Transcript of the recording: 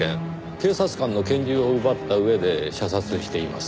警察官の拳銃を奪った上で射殺しています。